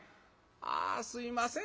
「あすいません